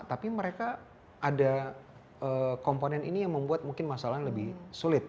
tapi mereka ada komponen ini yang membuat mungkin masalahnya lebih sulit